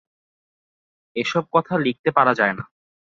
এ-সব কথা লিখতে পারা যায় না।